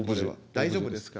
大丈夫ですか？